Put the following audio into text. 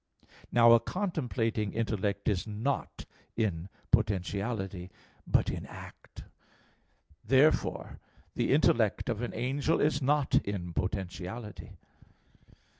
Now a contemplating intellect is not in potentiality, but in act. Therefore the intellect of an angel is not in potentiality.